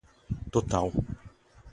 total